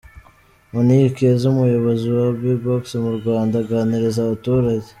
Monique Keza, umuyobozi wa Bbox mu Rwanda aganiriza abaturage.